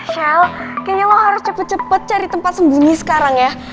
shell kayaknya lo harus cepat cepat cari tempat sembunyi sekarang ya